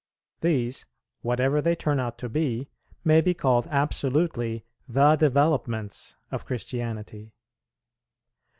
These, whatever they turn out to be, may be called absolutely "the developments" of Christianity.